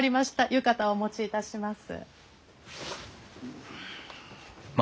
浴衣をお持ちいたします。